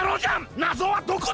なぞはどこだ！？